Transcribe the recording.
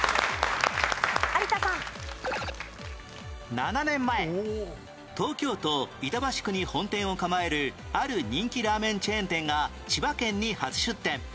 ７年前東京都板橋区に本店を構えるある人気ラーメンチェーン店が千葉県に初出店